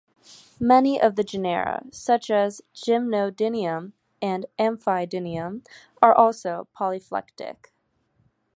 Many of the genera, such as "Gymnodinium" and "Amphidinium", are also polyphyletic.